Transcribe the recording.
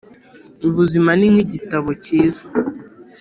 ubuzima ni nkigitabo cyiza,